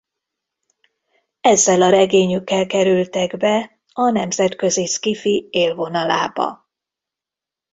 Ezzel a regényükkel kerültek be a nemzetközi sci-fi élvonalába.